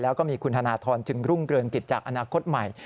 แล้วก็มีคุณธนทรจึงรุ่งเรืองกิจจากอนาคตใหม่